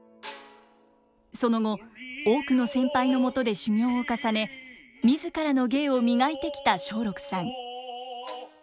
その後多くの先輩のもとで修業を重ね自らの芸を磨いてきた松緑さん。